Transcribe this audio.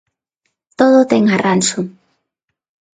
Todo ten arranxo.